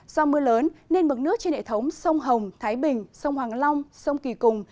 do mưa lớn nên mực nước trên hệ thống sông hồng thái bình sông hoàng long sông kỳ cùng